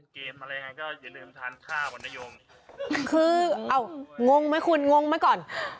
คือเอ๊ะงงไหมคุณงงไหมก่อน